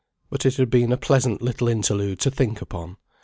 But it had been a pleasant little interlude to think upon.